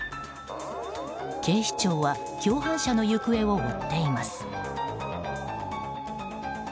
警視庁は共犯者の行方を追っています。